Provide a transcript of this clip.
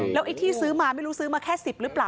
ไอ้ที่ซื้อมาไม่รู้ซื้อมาแค่๑๐หรือเปล่า